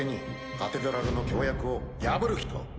カテドラルの協約を破る気か？